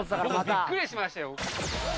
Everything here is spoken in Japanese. びっくりしましたよ。